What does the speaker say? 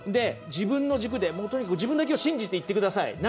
自分の軸でとにかく自分だけを信じて行ってください。